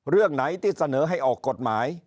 เรื่องไหนที่เสนอให้ออกกฎหมาย